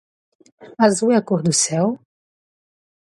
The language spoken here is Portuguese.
Azul é a cor do céu?